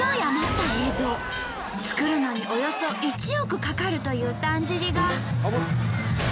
作るのにおよそ１億かかるというだんじりが。